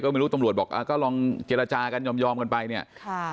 ไม่รู้ตำรวจบอกอ่าก็ลองเจรจากันยอมยอมกันไปเนี่ยค่ะ